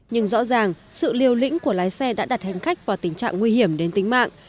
nhưng rõ ràng sự liều lĩnh của lái xe đã đặt hành khách vào tình trạng nguy hiểm đến tính mạng